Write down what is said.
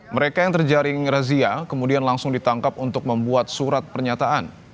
mereka yang terjaring razia kemudian langsung ditangkap untuk membuat surat pernyataan